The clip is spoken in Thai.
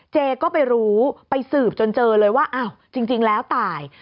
เจก็ไปรู้ไปสืบจนเจอเลยว่าอ้าวจริงแล้วตาย